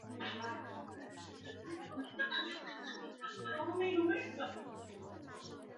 鸭嘴龙形类是群衍化的鸟脚下目。